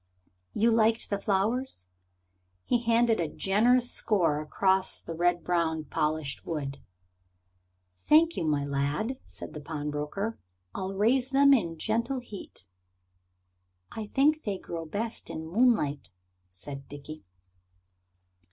"You liked the flowers?" He handed a generous score across the red brown polished wood. "Thank you, my lad," said the pawnbroker. "I'll raise them in gentle heat." "I think they grow best by moonlight," said Dickie.